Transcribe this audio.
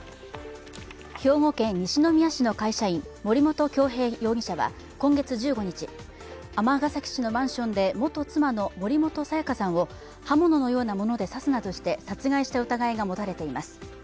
兵庫県尼崎市の会社員、森本恭平容疑者は今月１５日、尼崎市のマンションで元妻の森本彩加さんを刃物のようなもので刺すなどして殺害した疑いが持たれています。